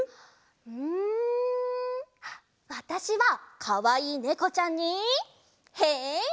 んわたしはかわいいネコちゃんにへんしん！